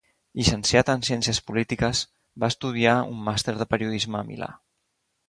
Llicenciat en ciències polítiques, va estudiar un màster de periodisme a Milà.